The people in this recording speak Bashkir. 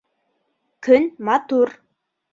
Көн матур.